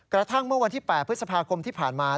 กระทั่งเมื่อวันที่๘พฤษภาคมที่ผ่านมา